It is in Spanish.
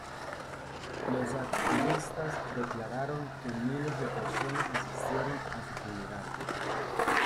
Los activistas declararon que miles de personas asistieron a su funeral.